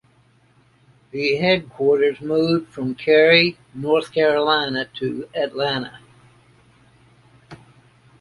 The headquarters moved from Cary, North Carolina, to Atlanta.